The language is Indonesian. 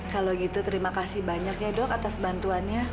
kalau gitu terima kasih banyaknya dok atas bantuannya